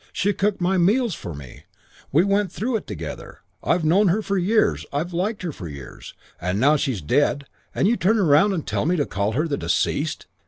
She cooked my meals for me. We went through it together. I've known her for years. I've liked her for years. And now she's dead and you turn around and tell me to call her the deceased.